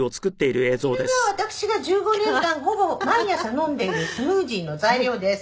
「こちらが私が１５年間ほぼ毎朝飲んでいるスムージーの材料です。